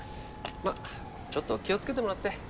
まぁちょっと気をつけてもらって。